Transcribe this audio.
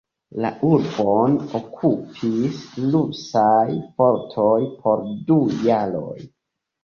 La urbon okupis rusaj fortoj por du jaroj dum la unua mondmilito.